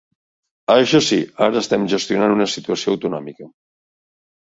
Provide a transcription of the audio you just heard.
Això sí: Ara estem gestionant una situació autonòmica.